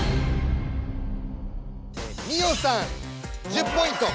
美音さん１０ポイント。